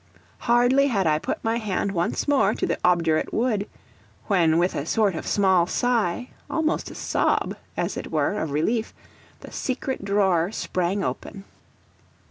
Hardly had I put my hand once more to the obdurate wood, when with a sort of small sigh, almost a sob as it were of relief, the secret drawer sprang open.